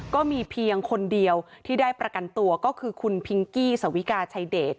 ก็มีเพียงคนเดียวที่ได้ประกันตัวก็คือคุณพิงกี้สวิกาชัยเดช